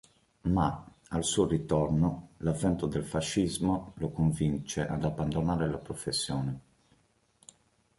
Ma, al suo ritorno, l'avvento del fascismo lo convince ad abbandonare la professione.